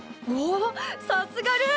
さすがルー！